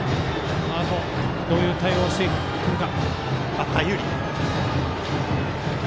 このあとどういう対応をしてくるか。